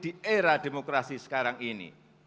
di era demokrasi sekarang ini